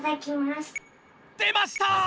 でました！